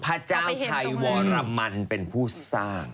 พระเจ้าชัยวรมันเป็นผู้สร้าง